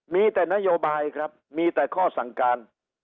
มีแต่นโยบายครับมีแต่ข้อสั่งการ